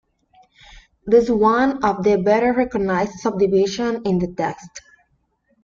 This is one of the better-recognized subdivisions in the text.